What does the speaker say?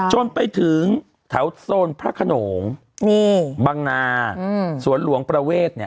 จนไปถึงแถวโซนพระขนงนี่บังนาสวนหลวงประเวทเนี่ย